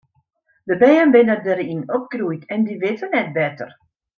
De bern binne dêryn opgroeid en dy witte net better.